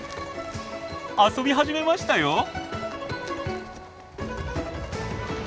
遊び始めましたよ。